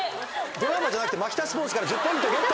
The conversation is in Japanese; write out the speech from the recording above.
ドラマじゃなくてマキタスポーツから１０ポイントゲット。